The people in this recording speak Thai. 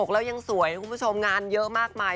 แล้วยังสวยนะคุณผู้ชมงานเยอะมากมาย